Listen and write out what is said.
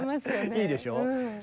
いいでしょ。